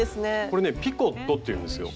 これね「ピコット」っていうんですよ。